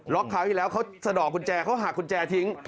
คราวที่แล้วเขาสะดอกกุญแจเขาหักกุญแจทิ้ง